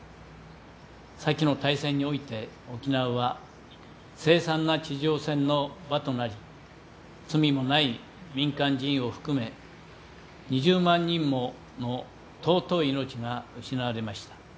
先の大戦において沖縄は凄惨な地上戦の場となり罪のない民間人も含め２０万人もの尊い命が失われました。